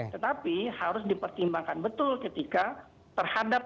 tetapi harus dipertimbangkan betul ketika terhadap